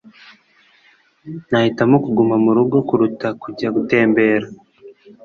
Nahitamo kuguma murugo kuruta kujya gutembera